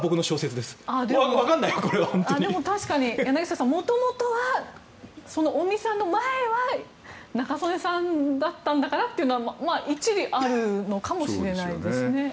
でも、確かに柳澤さん元々は、尾身さんの前は中曽根さんだったんだからというのは一理あるのかもしれないですね。